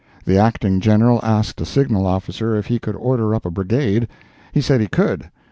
The Acting General asked a signal officer if he could order up a brigade. He said he could.